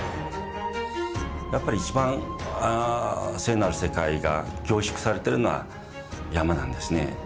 やっぱり一番聖なる世界が凝縮されてるのは山なんですね。